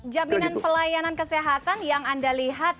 jaminan pelayanan kesehatan yang anda lihat